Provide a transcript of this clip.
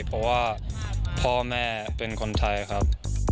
เพราะว่าพ่อแม่เป็นคนไทยครับ